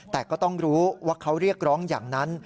แต่ก็ต้องรู้ว่าเขาเรียกร้องอย่างนั้น